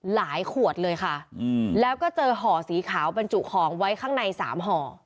ขวดเลยค่ะแล้วก็เจอห่อสีขาวบรรจุของไว้ข้างในสามห่อ